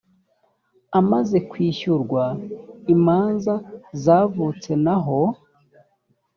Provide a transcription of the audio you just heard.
amaze kwishyurwa imanza zavutse n aho